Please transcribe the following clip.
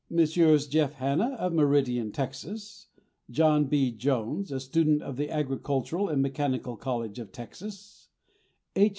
Messrs. Jeff Hanna, of Meridian, Texas; John B. Jones, a student of the Agricultural and Mechanical College of Texas; H.